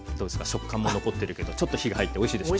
食感も残ってるけどちょっと火が入っておいしいでしょ。